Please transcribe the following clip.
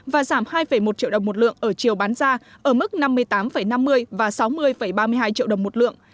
và giảm hai một triệu đồng một lượng ở chiều bán ra ở mức năm mươi tám năm mươi và sáu mươi ba mươi hai triệu đồng một lượng